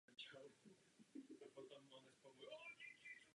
To musíte vysvětlit.